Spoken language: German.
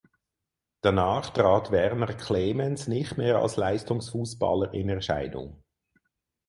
Danach trat Werner Clemens nicht mehr als Leistungsfußballer in Erscheinung.